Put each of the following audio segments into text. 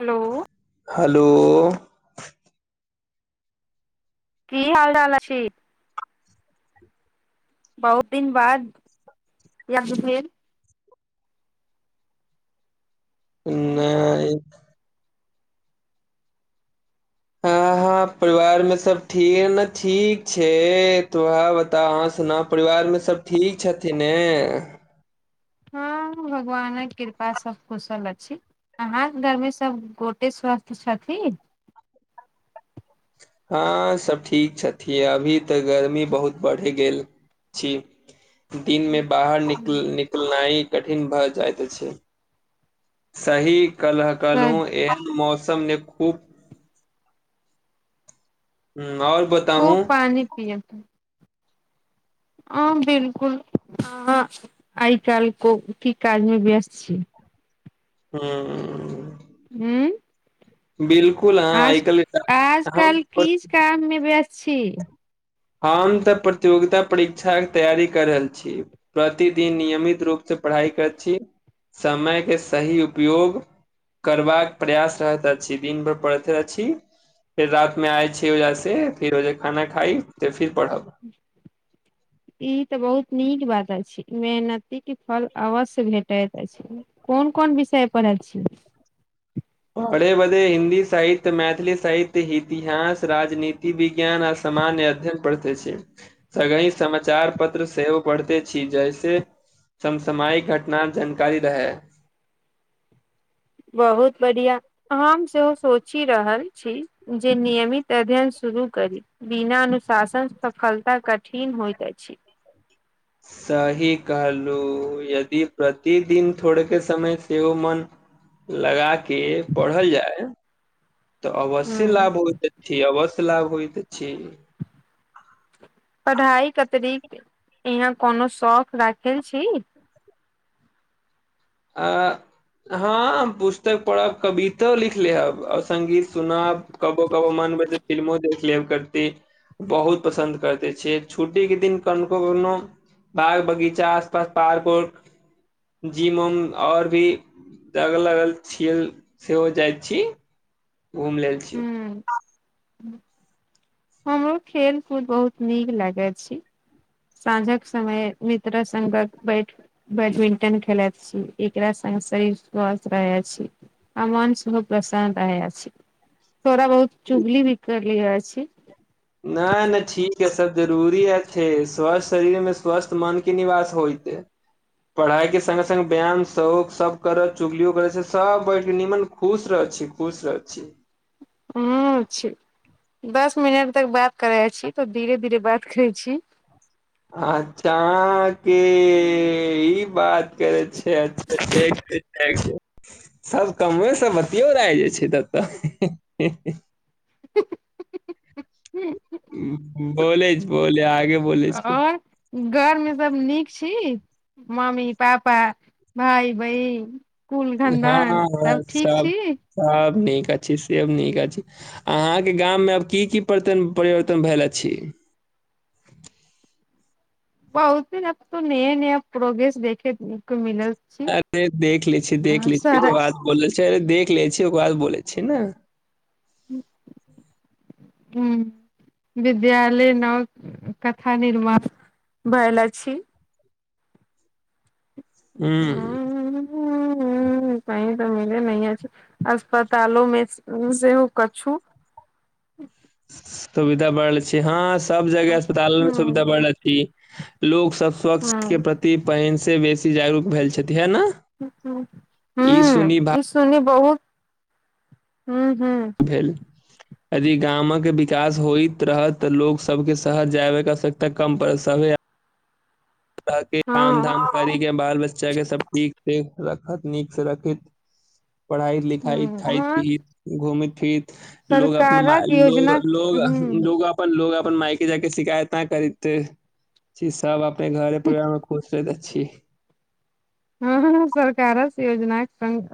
Hello hello की हाल चाल अ छी बहुत दिन बाद य फेर हँ नहि [inaudible] अहाँ परिवार मे सब ठीन ठीक न ठीक छै तोह बता अह सुना परिवार मे सब ठीक छथिने हँ भगवानक कृपा सब कुशल अछि अहाँके घरमे सभ गोटे स्वस्थ छथि हँ सब ठीक छथि अभी तऽ गर्मी बहुत बढ़ि गेल छी दिनमे बाहर निकल निकल तुलनाइ कठिन भए जाइत अछि सही कलह कलू एह मौसम ने खूब हू ओर बत खूब पानी पियत अ बिलकुल अ आइ काल को की काज मे व्यस्त छी हूं ऊं बिलकुल हँ आइ कल आजकल किछ [unintelligible] काम मे व्यस् छी हम तऽ प्रतियोगिता परीक्षाके तैयारी क रहल छी प्रतिदिन नियमित रूपसँ पढ़ाइ करैत छी समय के सही उपयोग करबाक प्रयास रहैत अछि दिन भर पड़ैत अछि फेर रात मे आए छे ओइजा से फिर ओजे खाना खाइ त फिर पढ़ब [inaudible] ई तऽ बहुत नीक बात अछि मेहनती के फल अवश्य भेटैत अछि कोन कोन विषय पढ अछी पढ़े बढ़े हिन्दी साहित्य मैथिली साहित्य इतिहास राजनीति विज्ञान आ स समान्य अध्ययन पढ़ते छी सगइ समाचार पत्र सेहो पढ़ते छी जैसे समसमायिक घटनाक जानकारी रहय बहुत बढ़िआ हम सेहो सोचि रहल छी जे नियमित अध्ययन शुरू करी बिना अनुशासन सफलता कठिन होइत अछि सही कहलु यदि प्रतिदिन थोड़ेके समय सेहो मन लगा के पढ़ल जाय तऽ अवश्य ह लाभ होय छी अवश्य लाभ होइत अछि [inaudible] पढ़ाई के अतरिक यहाँ कोनो शौक राखल छी आ हँ पुस्तक पढ़ब कवितो लिख लेहब और संगीत सुनब कबो कबो मन बजे फिल्मो देखलेब करती बहुत पसन्द करते छियै छुट्टीे के दिन कनको कोनो बाग बगीचा आसपास पार्क उर्क जी म उम और भी अगल अगल छीए सेहो जाय छी घुम लेल ह छी हमरो खेल कूद बहुत नीक लागै अछि सांझक समय मित्र संघक बैठ बैडमिंटन खेलत छी एकरा से शरीर स्वस्थ रहे अछि आ मन सेहो प्रसन रहै अछी थोड़ा बहुत चुगली भी करलिय अछि नहि नहि ठीक है सब जरूरी अछैे स्वस्थ शरीर मे स्वस्थ मन के निवास होयते पढ़ाई के संग संगगे व्यायाम शौक सब करत चुगलियो करै से सब बैठ निमन खुश रहऽ छी खुश रहऽ छी ऊं छी दस मिनट तक बात करै अछि तऽ धीरे धीरे बात करै छी अच्छा के ई बात करै छियछ देख [unintelligible] सब कमे सब बतियोर आबि जाइ छै ततऽ [unintelligible] बोलैछ बोलै आगे बोले छै और घर मे सब नीक छी मम्मी पापा भाय बहिन कुल हँ खन्दान हँ सब ठीक छी सब नीक अछि सेब नीक अछि अहाँके गाम मे आब की की पर परिवर्तन भेल अछि बहुतिन अब तो नया नया प्रोग्रेस देखे के मिलल छी अरे देख लै छी देख बहुत लै छी सारा ओकर बाद बोल छै अरे देख लै छी ओकर बाद बोलै छी न हूं विद्यालय नव कथा निर्माण भेल अछि हूं हूं हूं इ तऽ मिलै नै अछि अस्पतालो मे सेहो कछु सुविधा बढ़ छै हँ सब जगह ह अस्पताल मे सुविधा बढ़थी लोक सब स्वच्छ के प्रति पहिन से बेसी जागरूक भेल छथि है न ई सुनि [unintelligible] सुनि बहुत, हूॅं-हूॅं भाव भेल यदि गामक विकास होइत रहत तऽ लोग सबके शहर जायवाक आवश्यकता कम पड़त सभे धऽके हँ काम-धाम करीके बाल-बच्चाके सब ठीक से राख नीक से रखैत पढ़ाइ-लिखाइ, हूं हँ खाइत-पीहित घुमैत-फिरथि लोग अपन मा सरकारक लोग योजना लोग हूं लोग अ अपन लोग अपन मायके जाएके शिकायत ना करिते छी सब अपने घर परिवारमे खुश रहैत अछि हँ सरकार योजना संग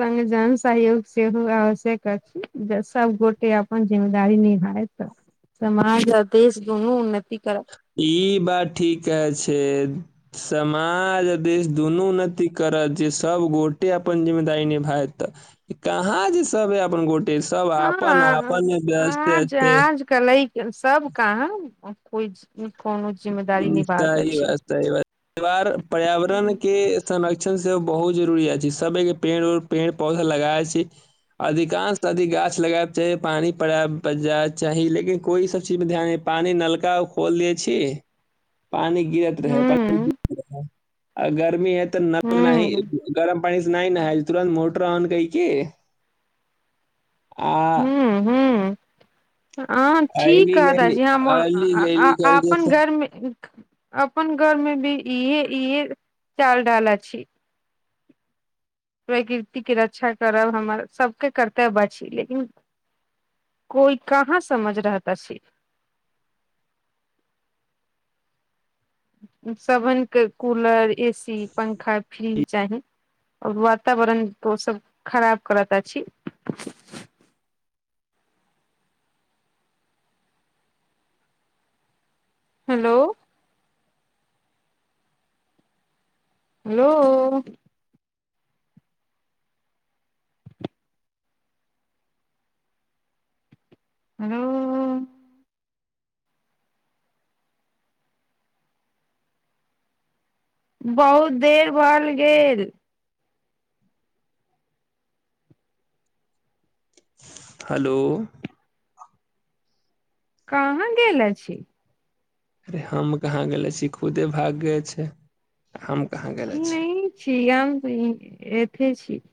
से जन सहयोग सेहो आवश्यक अछि सब गोटे अपन जिम्मेदीरी निभायत तऽ समाज आ देश दुनू उन्नति करत ई बात ठीके अछि। समाज आ देश दुनू उन्नति करत जे सबगोटे अपन जिम्मेदारी निभायत तऽ कहाँ जे सब अपन गोटे सब आपन आपनमे व्यस्ते अछि क लै सब काम कोइ कोनो [unintelligible] निभाबैत सही अछि बात सही बात। परिवार हूं पर्यावरणके संरक्षण से बहुत जरुरी अछि। सबएके पेड़ उड़ पेड़-पौधा लगाइ अछि अधिकांश अधिक गाछ लगाब चाही पानी पड़ैय बजाज चाही लेकिन कोइ एहि सब चीजमे ध्याने पानी नलका खोल दै छी पानि गिरत रहै पानि हूं रहै आ गर्मी अतै तऽ नल नहि गरम पानी से नइ नहाय तुरंत मोटर ऑन कै के आ हूं हूं हँ आ ठीक [inaudible] अयली गयली हाजी हम अयली गयली अपन करके घरमे अपन घरमे भी इहे इहे चाल-ढाल अछि। प्रकृतिके रक्षा करब हमर सबके कर्तव्य अछि लेकिन कोइ कहाँ समझ रहत अछि सभनके कूलर, एसी, पंखा, फ्रिज चाही और वातावरण ओ सब खराब करतऽ अछि हेलो हेलो हेलो बहुत देर भल गेल। हलो कहाँ गेल अछि? रे हम कहाँ गेले अछि, खुदे भाग गे छै हम कहाँ गेल? नइ छी गाम एथे छी [unintelligible]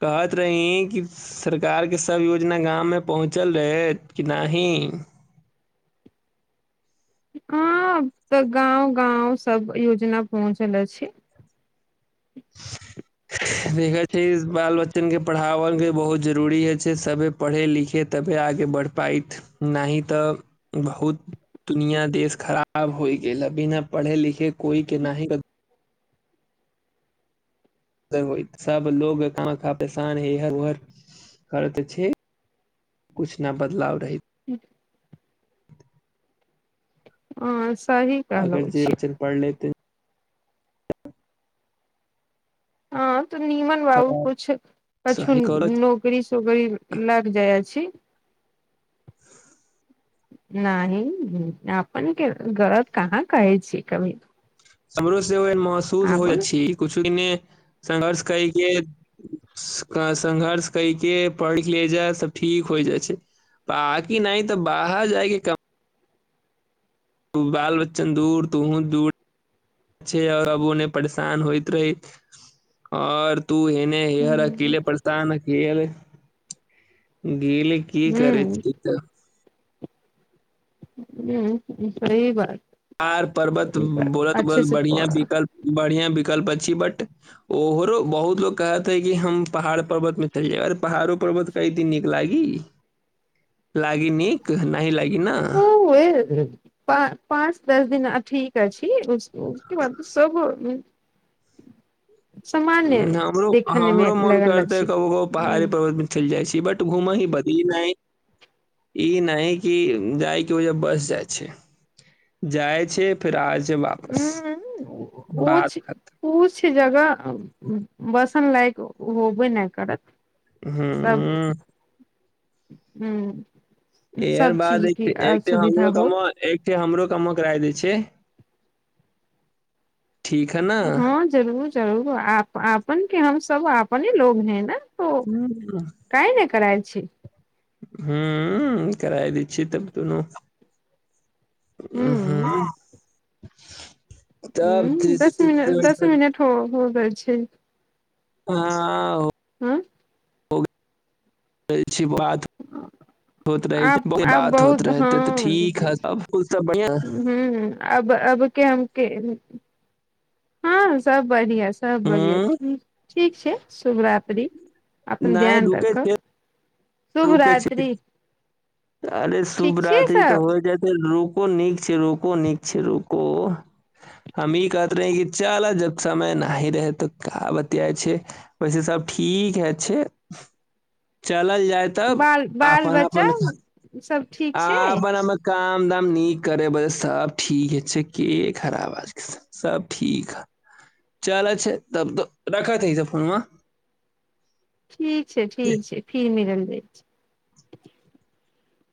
कहत रहीं की सरकारके सब योजना गाममे पहुँचल रहैत की नाहिं? हँ तऽ गाँंव गाँंव सब योजना पहुँचल अछि [inaudible] देखे छै बाल बच्चनके पढ़ाबैके बहुत जरुरी होइ छै सभे पढ़े लिखै तबे आगे बढ़ पाइत नाहि तऽ बहुत दुनिया देस खराब होइ गेल, बिना पढ़े-लिखे कोइके नाहि हो सब लोग खाना परेशान है इह उहर करत छै [unintelligible] कुछ न बदलाव रहै हॅं, सही अगर कहलहु जे छी बच्चन पढ़ लेते हँ तऽ नीमन बा, उ कुछ कछु सही कर नोक री-सोकरी लग जाइ अछि नहि अपन के गरत कहाँ कहै छै कभी समरो से महसूस होइ अपन अच्छी कु छु संघर्ष करे के संघर्ष कैके पढ़ि ले जाइ त ठीक हो जाइ छै तकी नहि तऽ बाहर जाएके क तू बाल बच्चन दूर तूहो दूर जे अब उन्ने परेशान होइत रहे और तू एने हेहर हूँ अकेले परसान अकेल गील की करै छी [inaudible] हूँ सही बात आर पर्बत सही बात अच्छे [unintelligible] से बढिया पढ़ विकल्प बढ़िया विकल्प अछि बट ओहरो बहुत लोग कहत है कि हम पहाड़ पर्वत मे छै अरे पहाड़ो पर्वत कै दिन नीक लागी [inaudible] लाग नीक नहि लाग [inaudible] प पाँच दस दिना ठीक आछि उस उके बाद सब [unintelligible] सामान्य हमरो देखने मे हमरो मन लगल करतेै अछि ककरो हूँ पहाड़ी पर्वत चलि जाइ छी बट घूम ही बदली नइ ई नहि कि जाइ के वजह बस जाइ छै जाइ छै फिर आ जाय वापस उं बाद कुछ कुछ जगह बसन लायक होबे नऽ करत खतम सब हूँ हूँ एहेन बाद होइ हमरो होत कममा एकठे हमरो कममा कराय दै छै ठीक है न हँ जरूर जरूर आपन के हम सब आपने लोग है न हूँ कइ नहि करा छी हूँ कराय देय छी तब दूनू उ हूं हूँ हूँ दस मिनट दस मिनट हो हो गेल छै ह हँ हो रहल छी बात होत आब रहे आब बात होत बहुत रहेते त ठीक है तब और सब बढ़िया हूँ हूँ अब अबके हमके हँ सब बढ़िया सब बढ़िया हूँ ठीक ठीक छै शुभरात्रि अपन ध्यान रखब रुके छै अरे ठीक शुभ छी राति त सब होइ जेतै नू रुको नीक छै रुको नीक छै रुको हम ई कहत रहेै कि चलऽ जब समय नही रहे त का बतियाइ छै वैसे सब ठीक है छै चलल जाय तब बाल बाल आपन बच्चा आपन सब ठीक आ छै अपन अपन काम दाम नीक करे बजे सब ठीके छै की खराब आज के समय सब ठीक ह चल छै तब तो रखैत ही तब फोनमा ठीक छै ठीक छै फिर मिलल जाइ छै